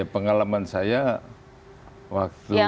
pengalaman saya waktu